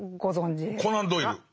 コナン・ドイル。